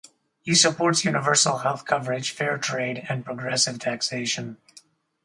He supports universal health coverage, fair trade, and progressive taxation.